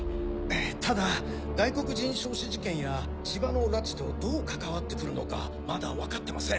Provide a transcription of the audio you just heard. ただ外国人焼死事件や千葉の拉致とどう関わってくるのかまだ分かってません。